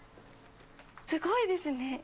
すごいですね。